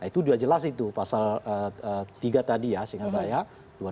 nah itu sudah jelas itu pasal tiga tadi ya sehingga saya dua ribu tiga apa